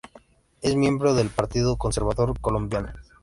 Es miembro del Partido Conservador Colombiano.